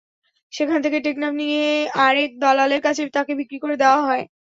সেখান থেকে টেকনাফ নিয়ে আরেক দালালের কাছে তাঁকে বিক্রি করে দেওয়া হয়।